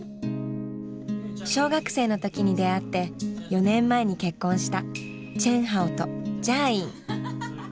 小学生の時に出会って４年前に結婚したチェンハオとジャーイン。